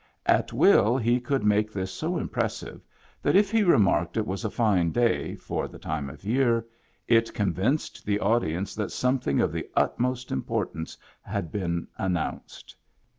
At will he could make this so impressive, that if he remarked it was a fine day, for the time of year, it convinced the audience that something of the utmost importance had been announced.